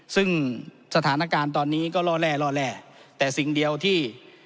ซึ่งสถานการณ์ตอนนี้ก็ล่อแร่ล่อแร่แต่สิ่งเดียวที่